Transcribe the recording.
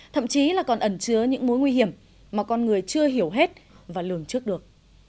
thậm chí là còn ẩn trứa những mối nguy hiểm mà con người chưa hiểu hết và lường trước được